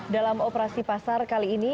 dalam operasi pasar kali ini